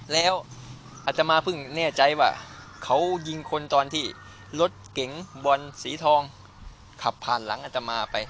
แล้วอัตมาเพิ่งแน่ใจว่าเขายิงคนตอนที่รถเก๋งบอลสีทองขับผ่านหลังอัตมาไป